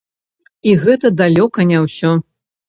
І гэта далёка не ўсё.